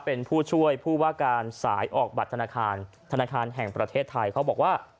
เป็นผู้ช่วยผู้ว่าการสายออกบัตรธนาคารธนาคารแห่งประเทศไทยเขาบอกว่า